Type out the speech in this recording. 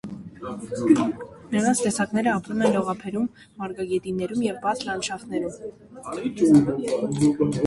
Նրանց տեսակները ապրում են լողափերում, մարգագետիններում և բաց լանդշաֆտներում։